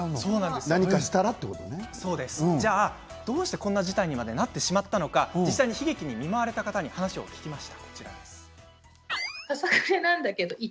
どうしてこんな事態にまでなってしまったのか悲劇に見舞われた方に話を聞きました。